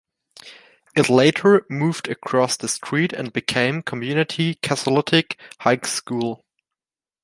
It later moved across the street and became Community Catholic High School.